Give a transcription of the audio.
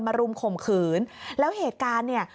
รุมข่มขืนแล้วเหตุการณ์เนี่ย